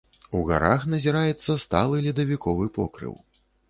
У гарах назіраецца сталы ледавіковы покрыў.